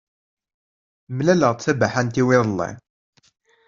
Mlaleɣ-d tabaḥant-iw iḍelli.